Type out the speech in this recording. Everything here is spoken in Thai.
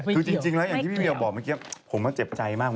ก็นี่แหละจริงแล้วอย่างที่พี่บีลจะบอกเมื่อกี้ผมหัวเจ็บใจมาก